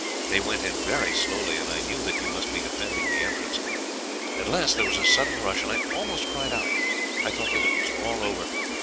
They went in very slowly, and I knew that you must be defending the entrance. At last there was a sudden rush, and I almost cried out. I thought that it was all over.